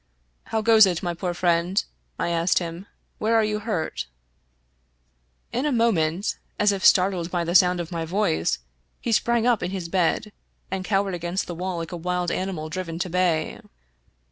" How goes it, my poor friend?" I asked him. " Where are you hurt ?" In a moment, as if startled by the sound of my voice, he sprang up in his bed, and cowered against the wall like a wild animal driven to bay.